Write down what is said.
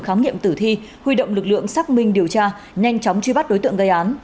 khám nghiệm tử thi huy động lực lượng xác minh điều tra nhanh chóng truy bắt đối tượng gây án